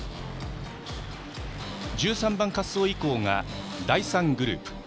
１３番滑走以降が第３グループ。